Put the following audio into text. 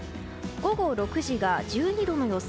午後６時が１２度の予想